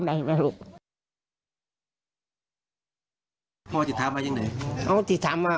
นายรู้ไหม